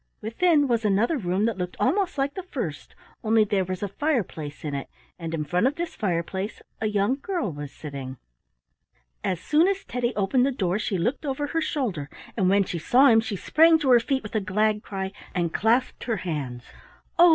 Within was another room that looked almost like the first, only there was a fireplace in it, and in front of this fireplace a young girl was sitting. As soon as Teddy opened the door she looked over her shoulder, and when she saw him she sprang to her feet with a glad cry and clasped her hands. "Oh!"